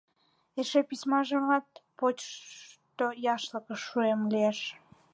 Эше письмажымат почто яшлыкыш шуэм лиеш.